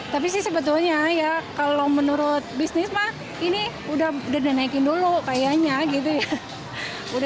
tapi sih sebetulnya ya kalau menurut bisnis mah ini udah naikin dulu kayaknya gitu ya